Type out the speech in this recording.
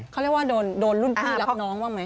เขาเรียกว่าโดนรุ่นพี่รับน้องบ้างไหม